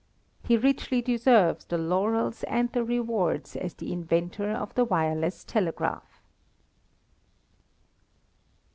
He richly deserves the laurels and the rewards as the inventor of the wireless telegraph.